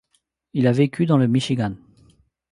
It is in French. Il a vécu dans le Michigan.